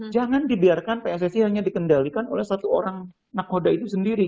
jangan dibiarkan pssi hanya dikendalikan oleh satu orang nakoda itu sendiri